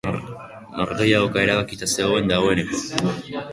Norgehiagoka erabakita zegoen dagoeneko.